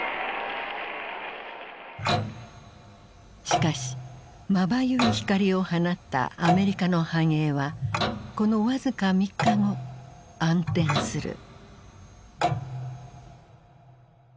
しかしまばゆい光を放ったアメリカの繁栄はこの僅か３日後暗転する。